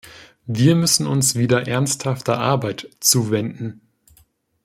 Wir müssen uns wieder ernsthafter Arbeit zuwenden.